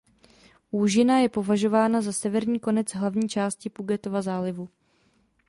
Úžina je považována za severní konec hlavní části Pugetova zálivu.